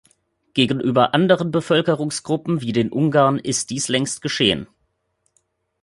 Gegenüber anderen Bevölkerungsgruppen wie den Ungarn ist dies längst geschehen.